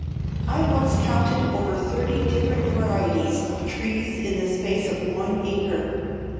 I once counted over thirty different varieties of trees in the space of one acre.